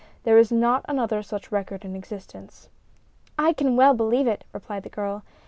There is not another such record in existence." "I can well believe it," replied the girl.